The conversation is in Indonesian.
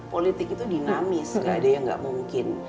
politik itu dinamis gak ada yang nggak mungkin